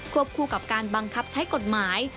คู่กับการบังคับใช้กฎหมาย